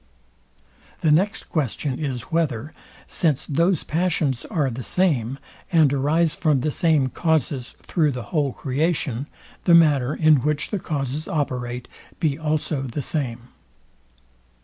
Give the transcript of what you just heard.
The next question is, whether, since those passions are the same, and arise from the same causes through the whole creation, the manner, in which the causes operate, be also the same.